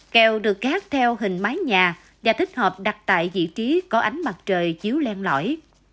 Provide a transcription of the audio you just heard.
keo được gác theo hình mái nhà và thích hợp đặt tại vị trí có ánh mặt trời chiếu len lõi